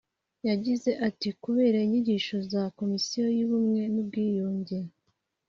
yagize ati ”kubera inyigisho za Komisiyo y’Ubumwe n’Ubwiyunge